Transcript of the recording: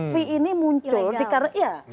fee ini muncul di karya